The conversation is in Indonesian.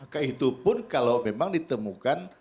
kaitupun kalau memang ditemukan